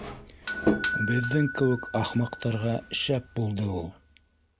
Беҙҙең кеүек ахмаҡтарға шәп булды ул